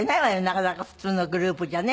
なかなか普通のグループじゃね。